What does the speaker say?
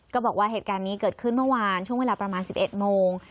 บอกว่าเหตุการณ์นี้เกิดขึ้นเมื่อวานช่วงเวลาประมาณ๑๑โมง